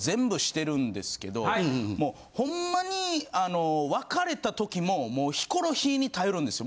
もうほんまに別れた時もヒコロヒーに頼るんですよ。